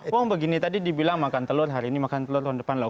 wong begini tadi dibilang makan telur hari ini makan telur tahun depan loh